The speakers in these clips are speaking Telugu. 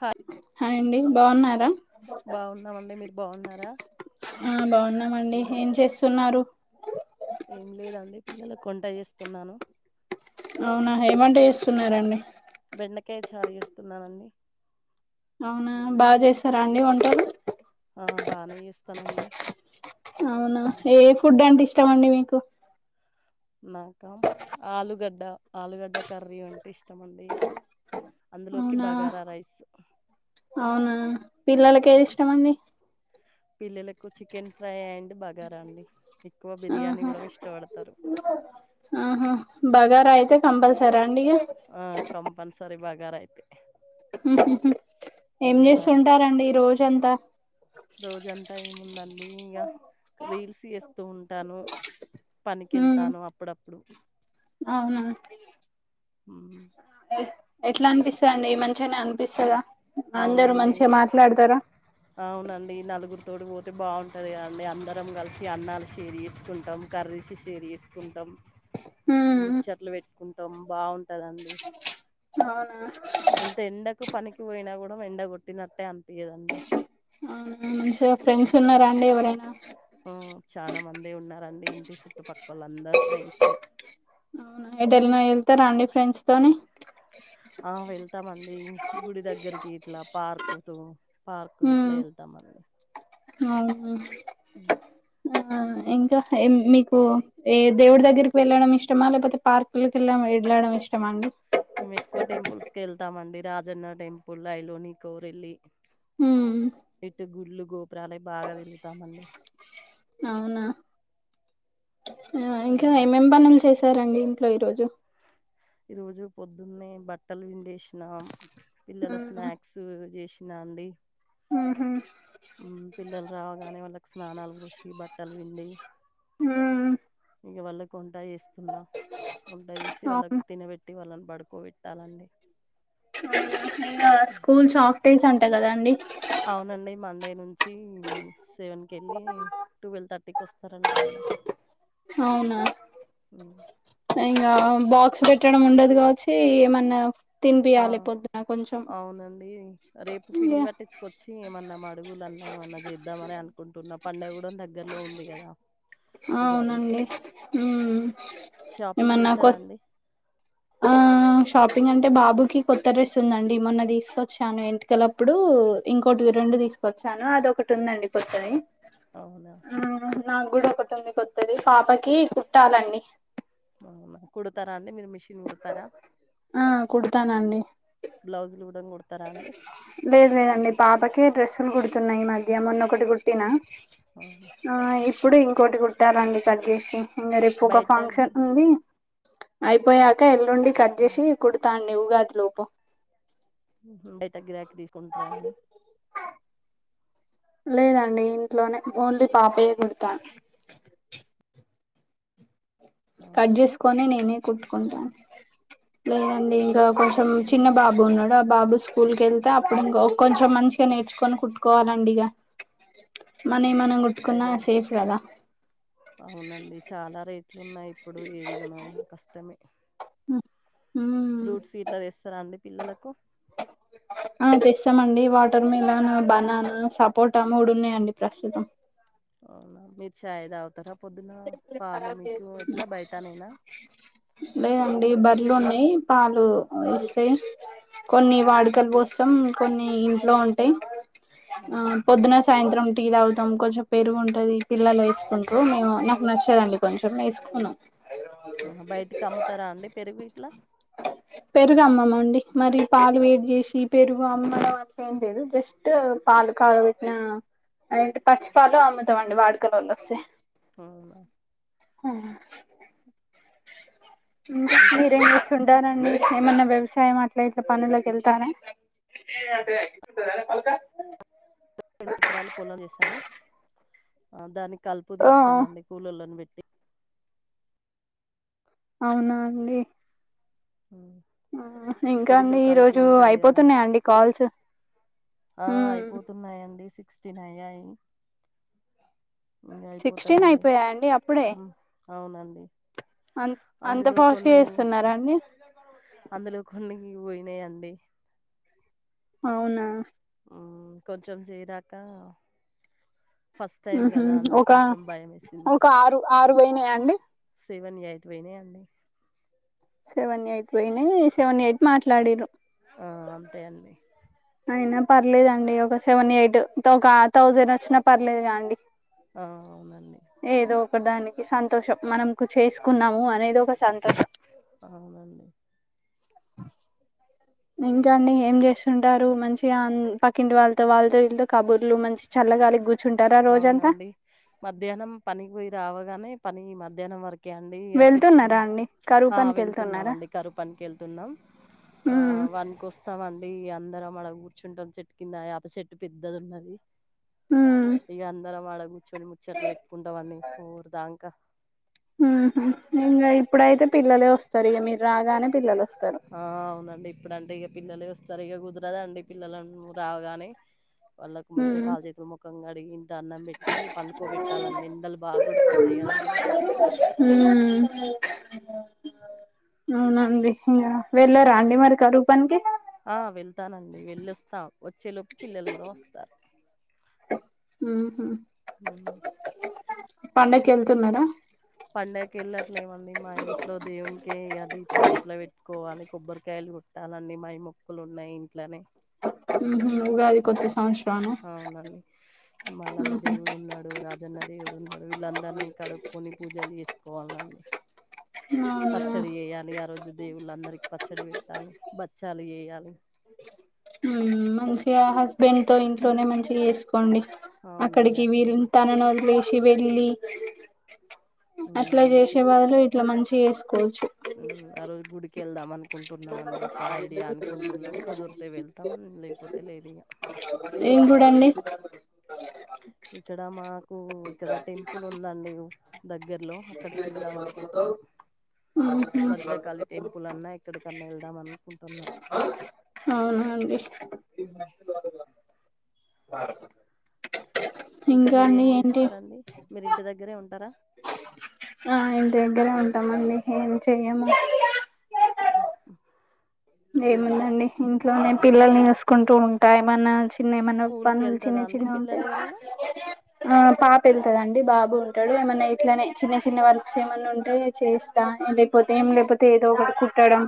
హాయ్ హాయ్ అండి బాగున్నారా బాగున్నామండి మీరు బాగున్నారా ఆ బాగున్నామండి ఏం చేస్తున్నారు ఏం లేదండి పిల్లలకు వంట చేస్తున్నాను అవునా ఏం వంట చేస్తున్నారండి బెండకాయ చారు చేస్తున్నానండి అవునా బాగా చేస్తారా అండి వంటలు ఆ బాగానే చేస్తానండి అవునా ఏ ఫుడ్ అంటే ఇష్టమండి మీకు నాకా ఆలుగడ్డ ఆలుగడ్డ కర్రీ అంటే ఇష్టమండి అందులోకి అవునా బగారా రైస్ అవునా పిల్లలకి ఏది ఇష్టమండి పిల్లలకు చికెన్ ఫ్రై అండ్ బగార రండి ఆహా ఆహా బగా రా అయితే కంపల్సరా ఆ కంపల్సరి బ గారా అయితే ఉహుహు ఏం ఇక చేస్తుంటారండి రోజు జంతా రోజంతా ఏం ఉన్నాని అఇంగా రీల్స్ చేస్తూ ఉంటాను. పనికి ఉమ్ వెళ్తాను. అప్పుడు అవునా ఉమ్, ఎ ఎట్లా అనిపిస్తాంది. మంచిగనే అనిపిస్తదా అందరు అవునండి మంచిగా మాట్లాడతారా అవునండి నలుగురు తోడి పోతే బాగుంటుంది. కదండి అందరం కలిసి అన్నాలు షేర్ చేసుకుంటాం. కర్రీస్ షేర్ చేసుకుంటాం. ఉమ్ ముచ్చట్లు పెట్టుకుంటాం. బాగుంటదండి. అవునా ఎంత ఎండకు పనికి పోయినా ఎండ కొట్టినంతే అంత ఆ మంచిగ ఫ్రెండ్స్ ఉన్నారా అండి ఎవరైనా ఉ చాన మంది ఉన్నారండి ఇం సుట్టుపక్ అవునా ఎటైల్ నా వెళ్తారా అండి ఫ్రెంస్ తోని ఆ వెళ్తామండి గుడి దగ్గరికి ఇట్లా పార్కు తో పార్క్ ఇట్లా ఉమ్ వెళ్తాం అండి అవును ఆ ఇంకా మీకు ఏ దేవుడి దగ్గరికి వెళ్ళడం ఇష్టమా. లేకపోతే పార్కులకి వెళ్ళ వెళ్ళడం ఇష్టమా అండి. అజన్న టెంపుల్లో అయిలోని కోరిళ్ళి ఉమ్ ఏట్ గుల్లు రాలే బాగా తిరుగుతామండి. అవునా ఆ ఇంకా ఉమ్. ఏమేం పనులు చేసి సరే అండి ఇంట్లో ఈరోజు ఈ రోజు పొద్దున్నే బట్టలు పిండేసినాం. పిల్లల ఉమ్ స్నాక్స్ చేస్ నాంది ఉహు పిల్లలు రావగానే వాళ్ళకి స్నానాలు పోసి బట్టల పిండి ఊమ్మ్ ఇగ వాళ్లకు వంట చేస్తున్నా వంట చేసి వాళ్ళకి అవును పెట్టి వాళ్ళని పడుకోబెట్టాలండి. ఇంగా స్కూల్ హాఫ్ డేస్ అన్ అంట కద అండి అవునండి. మండే నుంచి సెవెన్కి వెళ్ళి టువల్వ్ థర్టీకి వస్తారంటా. అవునా ఉమ్. ఇంగా బాక్స్ పెట్ ట్టడం ఉండదు కావచ్చి ఏమన్నా ఆ తినిపియాలి పొద్దున కొంచెం అవునండి రేపు పిండి పట్టించుకొచ్చి ఏమన్నా మడుగులున్నా ఏమన్నా చేద్దామనే అనుకుంటున్న పండగ కూడా దగ్గరలో ఉంది కదా ఆ ఉగాది అవునండి మ్మ్ షాపింగ్ ఏమన్నా కొ చేసారా అండి ఆ షాపింగ్ అంటే బాబుకి కొత్త డ్రెస్ ఉందండి మొన్న తీసుకొచ్చాను ఎంటికలప్పుడు ఇంకోటివి రెండు తీసుకొచ్చాను అదొకటి ఉందండి కొత్తది అవునా ఆ, నాకు కూడా ఒకటి ఉంది కొత్తది పాపకి కుట్టాలండి అవునా కుడతారాన్ డి మీరు మిషన్ కుడతారా ఆ కుడతానండి బ్లౌజ్ లు కూడా [inaudible] లేదు లేదు అండి పా [unintelligible] డ్రస్సులు కుడుతున్నా ఈ మధ్య మొన్నొకటి కుట్టినా అవునా ఆ [inaudible] ఇప్పుడు ఇంకోటి కుట్టాలండి కట్ చేసి ఇంకా రేపొక బయట గి- ఫంక్షన్ ఉంది అయిపోయాక నుండి కట్ చేసి కుడతా అండి ఉగా లోపు ఊహూ బయట గిరాకి తీస్ కుంటరా అండి లేదండి ఇంట్లోనే ఓన్లీ పాపయే కుడతాను కట్ అవునండి చేస్కోని నేనే కుట్టుకుంటాను లేదండి టో కొంచెం చిన్న బాబు ఉన్నాడు ఆ బాబు స్కూల్ కెళ్తే అప్పుడు ఇంకో కొంచెం మంచిగా నేర్చుకొని కుట్టుకోవాలండి ఇగ మనవి మనం కుట్టుకుంటే టైలరీ సేఫ్ కదా అవునండి చాలా రే ట్లున్నాయి ఇప్పుడు ఏదిగమైన కష్టమే మ్మ్ ఫ్రూట్స్ ఇట్లా తెస్తారా అండి పిల్లలకు తమడి వాటర్ మిలన్ బనానా సపోటా మూడున్నాయండి ప్రస్తుతం అవునా మీరు చాయ్ తాగుతారా పొద్దున పాలు మీకు ఎట్లా బయటనేనా డి బర్లున్నాయి పాలు వస్తాయి కొన్ని వాడుకలు పోసం కొన్ని ఇంట్లో ఉంటాయి ఆ పొద్దున సాయంత్రం టీ తాగుతాం కొంచెం పెరుగు ఉంటది పిల్లలు వేసుకుంటూ మేము నాకు నచ్చదండి కొంచెం వేసుకున్నా ఆ బయటికి అమ్ముతారా అండి పెరుగు ఇట్లా పెరుగు అమ్మమండి మరి పాలు వేడి చేసి పెరుగు అమ్మడం అట్ ఏం లేదు, జస్ట్ పాలు కాగ్ పెట్టిన అంటే పచ్చి పాలు అమ్ముతాండి వాడుకలల్ల వస్తే అవునా ఆ ఇంకా మీరేం చేస్తుంటారండి ఏమన్నా వ్యవసాయం అట్లా ఇట్లా పనుల్లోకి వెళ్తారా [inaudible] పొలం చేసాము దాని కలుపు ఓ తీస్తామండి కూలోళ్ళని పెట్టి అవునా అండి ఉమ్. ఇంకా వరిలో అండి ఈ కలుపు రోజు ఉంటది కదా అయిపోతున్నాయండి కాల్స్ ఆ అయిపోతున్నాయండి సి సిక్స్టీన్ అయ్యాయి ఇంగ సిక్స్టీన్ అయిపోతాయండి అయిపోయాయా అండి అప్పుడే ఉమ్, అవునండి అం అంత అందులో ఫాస్ట్గా కొన్ని చేస్తున్నారాండి మీకు పోయినాయి అండి అవునా హ్మ్ కొంచెం చేయదాక ఊహూ ఒక వేసింది ఒక ఆరు ఆరు పోయినాయా అండి నీవన్నీ అయిపోయినై అంది సెవెన్ ఎయిట్ పోయినయ్ సెవెన్ ఎయిట్ మాట్లాడిరు ఆ అంతే అండి అయినా పర్లేదండి ఒక సెవెన్ ఎయిట్ ఒక థౌజండ్ వచ్చినా పర్లేదుగా అండి అవునండి [unintelligible] సంతోషం మనకు చేసుకున్నాము అనేది ఒక సంతోషం అవునండి ఇంకాండి ఏం చేస్తుంటారు మంచిగా పక్కింటి వాళ్ళతో వాళ్ళతో ఇళ్లతో కబుర్ ఇలు మంచి చల్లగాలి కూర్చుంటారా రోజంతా అవునండి కాగానే పని మధ్యాహ్నం వరకు కె అండి ఇ చిట్ వెళ్తున్నారా అండి కరువు అ పనికి వెళ్తున్నామ్ వెళ్తున్నారా అండి కరుపనికి వెళ్తున్నాం ఆ ఉమ్ వన్కి వస్తాం అడి అందరం మన కూర్చుంటాం చెట్టు కింద ఆయాప చెట్టు పెద్దది ఉన్నది ఉమ్ ఇగ అందర మ కూర్చొని ముచ్చట్లు పెట్టుకుంటాం ఫోర్ దాంకా హ్మ్ ఇంగ ఇప్పుడైతే పిల్లలే వస్తారు ఇగ మీరు రాగానే పిల్లలు వస్తారు ఆ అవునండి ఇప్పుడంటే ఇగ పిల్లలే వస్తారు ఇగ కుదరదండి పిల్లలు రాగానే వాళ్ళకు మంచిగా ఉమ్ కాళ్లు చేతుల ముఖంగా కడిగి ఇంత అన్నం పెట్టి పండుకోబెట్టాలండి ఎండలు బాగుడుతున్నాయి కదండీ అవునండి ఇంగా వెళ్ళారా అండి మరి కరువు పనికి ఆ వెళ్తానండి వెళ్ళొస్తా వచ్చే లో పిల్లలు కూడా వస్తార్ హ్మ్ హు హ్మ్. పండకి వెళ్తున్నారా పండకి వెళ్ళట్లేమండి మా ఇంట్లో దేవు కె అది కొన్ని ఇట్ల పెట్టుకోవాలి కొబ్బరి కాయలు తలా అండి మై మొక్కులు ఉన్నాయి ఇంట్లోనే హ్మ్ హు ఉగాది కొత్త సంవత్స అవునండీ మల్లన్న ఉహు దేవుడు ఉన్నాడు రాజన్న దేవుడు ఉన్నాడు వీళ్ళందరినీ కడుకొని పూజ్ జోలి చేసుకోవాల అండి అవునా పచ్చడి వేయాలి ఆ రోజు దేవుళ్ళ అందరికీ పచ్చడి పె తాల బచ్చాలు ఎయాలి హ్మ్ హు మంచిగా హస్బెండ్ తో ఇంట్లోనే మంచిగా చేస్కు కోండి అవునండి. అక్కడికి వీరి అట్లనే తననే వదిలేష్ శివెల్లి హ్మ్. అట్లా చేసే అందుకే బదులు ఇట్లా మంచిగా చేస్ హ్మ్ ఆ రోజు గుడికి వెళ్దాం అన్ అనుకుంటున్నాం అండి ఒక ఐడియా అనుకుంటున్నాం కుదిరితే వెళ్తాం లేకపోతే లేదు ఇగ ఏం కూరండి ఇక్కడ మాకు ఇక్కడ టెంపుల్ ఉందండి దగ్గర్లో అక్కడికి వెళ్దాం అనుకుంటున్నాం భద్రకాళి టెంపుల్ అన్నా ఇక్కడ అవునండి హ్మ్. బ ఇంకా మీరు ఏం చేస్తారండి మీరు ఇంటి దగ్గరే ఉంటారా ఆ ఇంటి దగ్గరే ఉంటామండి ఏం చెయ్యము పిల్లలు ఏముందండి ఇంట్లోనే పిల్లని చేసుకుంటూ ఉంటా ఏమన్నా చ్ న్న మన పనులు చిన్న స్కూల్‌కెళ్తదా అండి చిన్న పిల్లలు ఉంటాయి ఎవరైనా? ఆ పా పె వెళ్తుదండి బాబు ఉంటాడు ఏమన్నా ఇట్లనే చిన్న చిన్న వర్క్స్ ఏమన్నా ఉంటాయ చేస్తా లేకపోతే ఏం లేకపోతే ఏదో ఒకటి కుట్టాడం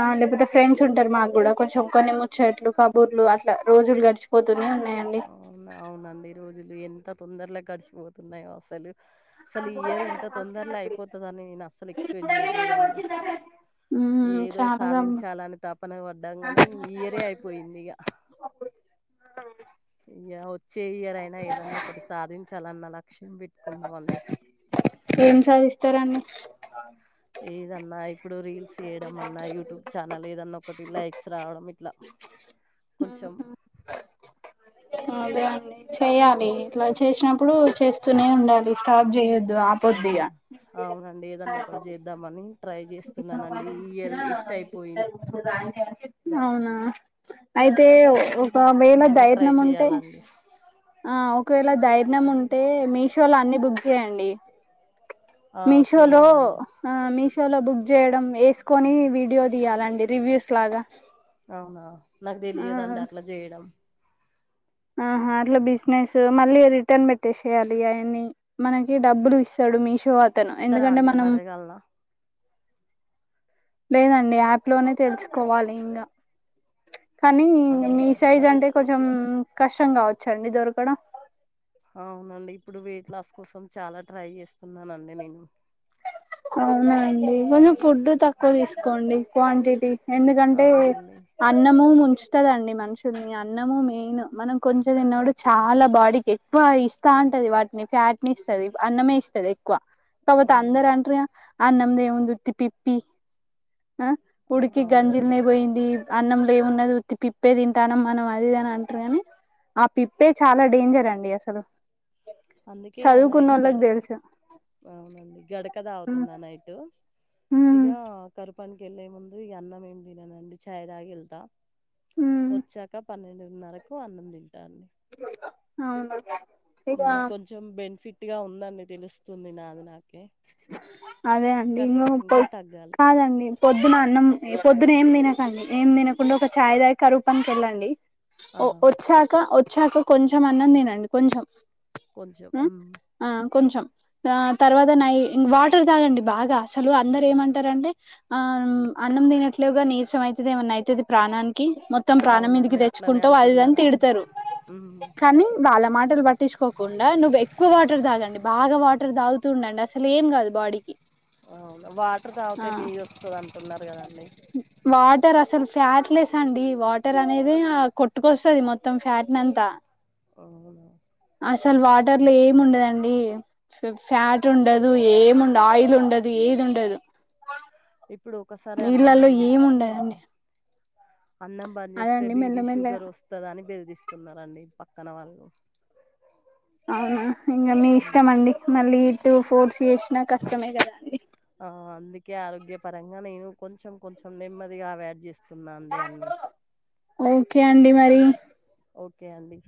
ఆ లేకపోతే ఫ్రెండ్స్ ఉంటారు మాకు కూడా కొంచెం కొన్ని ముచ్చట్లు కబుర్లు అట్లా రోజులు గడిచిపోతూనే ఉన్నాయండి అవునా! అవునండి. ఈ రోజులు ఎంత తొందరలోగా గడిచిపోతున్నాయో అసలు అసలు ఈ ఇయర్ ఇంత తొందరలే అయిపోతుందిని నేను అసలు ఎక్స్పెక్ట్ చేయలేదండి ఉమ్ ఏదో చాలా దమ్ సాధించాలని తప్ప ప పన పడ్డాం కానీ ఇయరే అయిపోయింది ఇక అ చెయ్యరైనా ఏదన్నా ఒకటి సాధించాలన్నలా ఏం సాధిస్తారాండి ఇదన్న అయిపో ఇప్పుడు రీల్స్ చేయడంమన్నా యూట్యూబ్ ఛానల్ ఏదన్నా ఒకటిలా ఎక్స్సే ఆవడం ఇలా కొంచెం అదే అండి చేయాలి ఇట్లా చేసినప్పుడు చే చేస్తూనే ఉండాలి స్టాప్ చేయొద్దు అవు ఆపొద్దిగా అవునండి ఏదన్నా ఒకరు చేద్దామని ట్రై చేస్తున్నానండి ఈ ఇయర్ వేస్ట్ అయిపోయింది అవునా అయితే వేళ ధైర్యం ఉంటే చలాండి ఆ ఒకవేళ ధైర్యం ఉంట అంటే మీషో లో అన్ని బుక్ చేయండి ఆ! మీషోలు చేయాలండి. మీషో షోలో బుక్ చేయడం వేకని వీడియో తీయాలండి రివ్యూస్ లాగా అవునా నాకు ఆ తెలియదండి అట్లా చేయడం ఆహా అట్లా బిజినెస్ మళ్ళీ రిటర్న్ పెట్టేసేయాలి అయన్ని మనకి డబ్బులు ఇస్తాడు మీషో తను చెప్తారా ఎందుకంటే అండి నన్ను మనం అడగలనా? లేదండి యాప్ లోనే తెలుసుకోవాలి ఇంకా కానీ మీ సైజ్ అంటే కొంచెం కష్టం కావచ్చారండి దొరకడం అవునండి ఇప్పుడు వెయిట్ లాస్ కోసం చాలా ట్రై చేస్తున్నానండి నేను అవునండి కొంచెం ఫుడ్ తక్కువ తీసుకోండి క్వాంటిటీ ఎందుకంటే అవునండి అన్నము వస్తుదండి మనుషుల్ని అన్నము మెయిన్ మనం కొంచెం తిన్నప్పుడు చాలా బాడీకి ఎక్కువ ఇస్తా ఉంటది వాటిని ఫ్యాట్ని ఇస్తుంది అన్నమే ఇస్తుంది ఎక్కువ కాకపోతే అవునండి అందరన్ీ అన్నం ది ఏముంది ఉతిిప్పిప్పి ఆ ఉడికి గంజిల్నే పోయింది అన్నంలో ఏమున్నదిత్తి పిప్పే తింటాన మనం అదిది అని అంటారుని ఆ పిప్పే చాలా డేంజర్ అండి అసలు అందుకే ఈయన అయితే చదువుకున్నోళ్ళకి గడ తెలుసు అవునండి గడక దాత న్నా నైట్ ఇక ఉమ్ కరుపు పప్పనికి వెళ్ళే ముందు ఈ అన్నం ఏం తిననడి ఛా్ తాగా వెళ్తాం ఉమ్ వచ్చాకా పన్నెండు న్నరకు అన్నంది ఇ అవును ఇక హ్మ్మ్ కొంచెం బెనిఫిట్ గట్టిగా ఉందని తెలుస్తుంది నాది నాకు అదే అండి ఇం ఇంకా పొద్ తగ్గాలి కాదండి పొద్దున అన్నం పొద్దు పొద్దన్నెఏం తినకండి ఏం తినకుండా ఒక ఛాయ దాగికరువుపనికి వెళ్ళండి ఆ, ఓ వచ్చాక వచ్ వచాక కొంచెం అన్నం తినండి కొంచెం కొంచం ఆ కొంచెం ఆ తర్వాత నై వాటర్ తాగండి బాగా అసలు అందరు ఏమంటార అంటే ఆ అన్నం తినట్లుగా నీసం అవుతుది ఏమన్నా అవుతుంది ప్రాణానికి కిమొత్తం ప్రాణం మీదికి అవునండి అట్లనే తెచ్చుకుంటవు అది ఇది అంటున్నారండి తిడతరు ఉమ్. కానీ వాళ్ళ మాట పట్టించకోకుండా నువ్వు ఎక్కువ వాటర్ తాగండి బాగా వాటర్ తాగు తుడండి అసలు ఏం కాదు బాడీకి అవును వాటర్ ఆ తాగుతే నీరుస్తుంది అంత ఉన్నారు కదండి వాటర్ అసలు ఫ్యాట్లెస్ అండి వాటర్ అనేది కొట్టుకొస్తుది మొత్తం ఫ్యాట్ నంతా అవును అసలు వాటర్ లో ఏమి ఉండదండి ఫ్యాట్ ఉండదు ఏముండదు ఆయిల్ ఉండదు ఏది ఉండదు ఇప్పుడు ఒకసారి అన్నం నీళ్ళల్లో బంద్ ఏమి 'చేస్తే ఉండదండి అన్నం బంద్‌ చేస్తే అదండి మెల్లమెల్లగా బీపిషుగర్ వస్తుంద అని బేదిరిస్త వస్తున్న రండి పక్కన వాళ్ళు అవునా ఇంకా మీ ఉమ్. ఇష్టం అండి మళ్ళీ టూ ఫోర్స్ చేస్ నా కష్టమే కదా అండి ఆ అందుకే ఆరోగ్య పరంగా నేను కొంచెం కొంచెం నెమ్మదిగా అవియాడ్ చేస్తున తున్నాండి అన్ని ఓకే అండి మరి ఓకే అండి